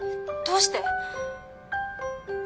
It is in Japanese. どうして！？